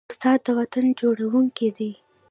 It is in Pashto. استاد د وطن جوړوونکی دی.